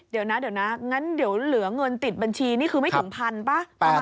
เดี๋ยวนะเดี๋ยวเหลือเงินติดบัญชีนี่คือไม่ถึงพันป่ะ